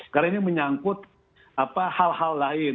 karena ini menyangkut hal hal lain